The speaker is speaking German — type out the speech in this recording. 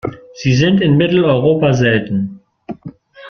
Sie sind in Mitteleuropa selten.